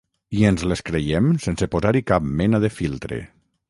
i ens les creiem sense posar-hi cap mena de filtre